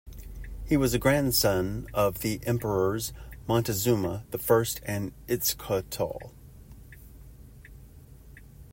He was a grandson of the Emperors Moctezuma the First and Itzcoatl.